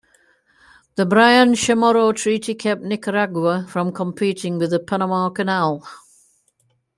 The Bryan-Chamorro Treaty kept Nicaragua from competing with the Panama Canal.